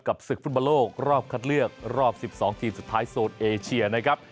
ศึกฟุตบอลโลกรอบคัดเลือกรอบ๑๒ทีมสุดท้ายโซนเอเชียนะครับ